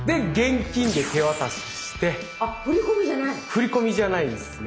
振り込みじゃないんですね。